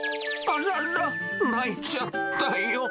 あらら、泣いちゃったよ。